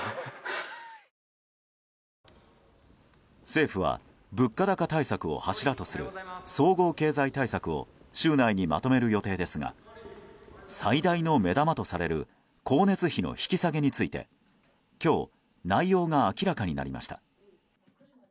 政府は、物価高対策を柱とする総合経済対策を週内にまとめる予定ですが最大の目玉とされる光熱費の引き下げについて今日内容が明らかになりました。